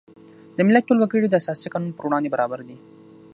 د ملت ټول وګړي د اساسي قانون په وړاندې برابر دي.